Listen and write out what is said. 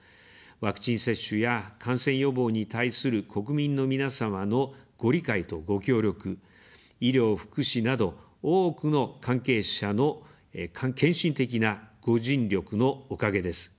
ワクチン接種や感染予防に対する国民の皆様のご理解とご協力、医療・福祉など、多くの関係者の献身的なご尽力のおかげです。